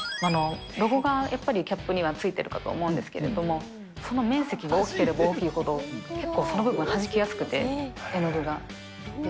ロゴがやっぱりキャップにはついてるかと思うんですけれども、その面積が大きければ大きいほど、結構その部分はじきやすくて、絵の具が。